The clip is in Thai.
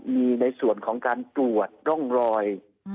มีในส่วนของการตรวจร่องรอย